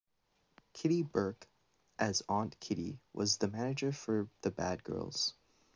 Kitty Burke as Aunt Kitty, was the manager for the Bad Girls.